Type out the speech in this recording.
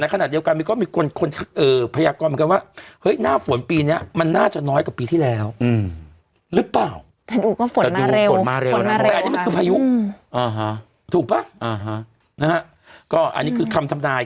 ก็อันนี้คือคำทำนาย